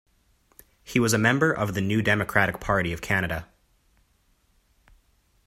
He was a member of the New Democratic Party of Canada.